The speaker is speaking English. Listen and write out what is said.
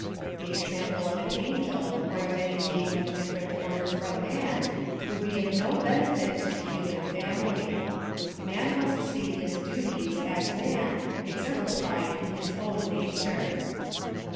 The example of an angel, or of any being of a dif ferent order from man, would be of no benefit to the human family. Man must see his duties, as man, exemplified in his own nature.